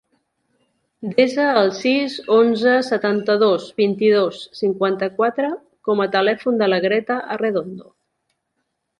Desa el sis, onze, setanta-dos, vint-i-dos, cinquanta-quatre com a telèfon de la Greta Arredondo.